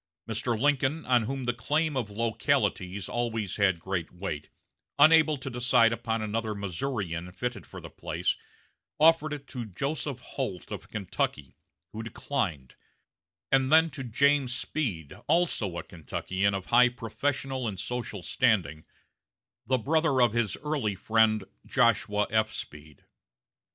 Mr. Lincoln, on whom the claim of localities always had great weight, unable to decide upon another Missourian fitted for the place, offered it to Joseph Holt of Kentucky, who declined, and then to James Speed, also a Kentuckian of high professional and social standing, the brother of his early friend Joshua F. Speed.